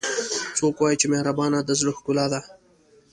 څوک وایي چې مهربانۍ د زړه ښکلا ده